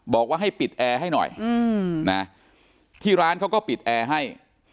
บอกว่าให้ปิดแอร์ให้หน่อยนะที่ร้านเขาก็ปิดแอร์ให้